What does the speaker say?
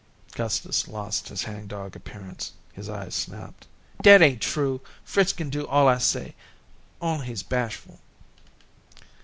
Gustus lost his hang dog appearance. His eyes snapped. "Dat ain't true. Fritz kin do all I say, only he's bashful."